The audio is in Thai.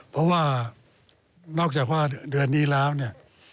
เพราะว่านอกจากว่าเดือนนี้แล้วเนี่ย